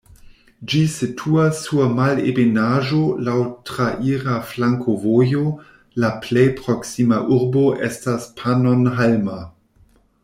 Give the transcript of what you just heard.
Ĝi situas sur malebenaĵo laŭ traira flankovojo, la plej proksima urbo estas Pannonhalma.